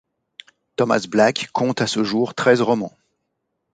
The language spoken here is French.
Thomas Black compte à ce jour treize romans.